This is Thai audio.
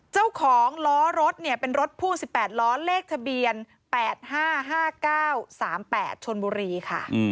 เจ้าของล้อรถเนี่ยเป็นรถพ่วง๑๘ล้อเลขทะเบียน๘๕๕๙๓๘ชนบุรีค่ะ